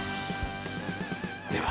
では。